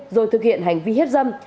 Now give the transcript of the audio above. rồi thực hiện hành vi hiếp dâm